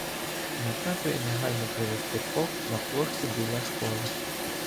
Наказує негайно привести полк на площу біля школи.